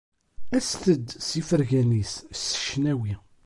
Aset-d s ifergan-is s ccnawi!